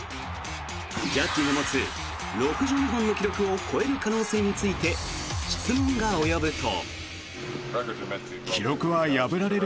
ジャッジが持つ６２本の記録を超える可能性について質問が及ぶと。